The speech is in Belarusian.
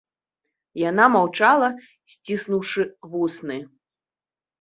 Яна маўчала, сціснуўшы вусны.